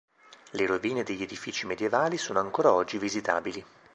Le rovine degli edifici medievali sono ancora oggi visitabili.